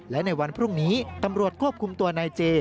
และในวันพรุ่งนี้ตำรวจควบคุมตัวนายเจ